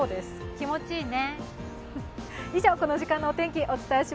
気持ちいいね。